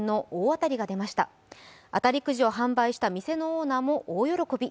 当たりくじを販売した店のオーナーも大喜び。